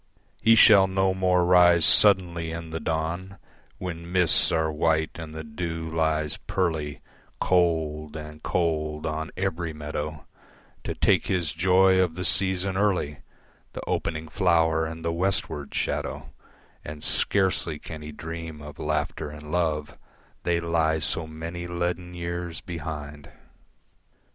He shall no more rise suddenly in the dawn When mists are white and the dew lies pearly Cold and cold on every meadow, To take his joy of the season early, The opening flower and the westward shadow, And scarcely can he dream of laughter and love, They lie so many leaden years behind.